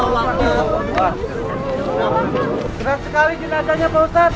berat sekali jin adanya pak ustaz